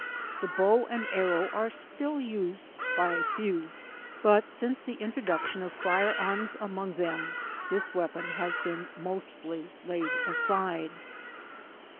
The bow and arrow are still used by a few, but sittce the intro duction of fire arms among them, this weapon has been mostly laid aside.